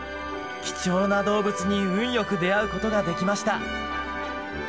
貴重な動物に運良く出会うことができました！